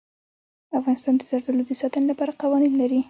افغانستان د زردالو د ساتنې لپاره قوانین لري.